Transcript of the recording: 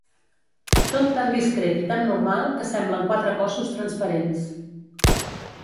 Tot tan discret i tan normal que semblen quatre cossos transparents.